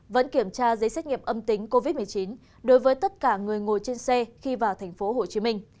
vẫn kiểm tra giấy xét nghiệm âm tính covid một mươi chín đối với tất cả người ngồi trên xe khi vào thành phố hồ chí minh